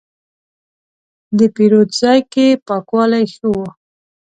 د پیرود ځای کې پاکوالی ښه و.